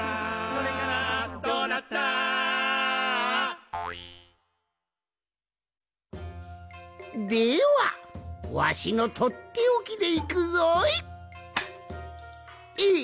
「どうなった？」ではわしのとっておきでいくぞい！え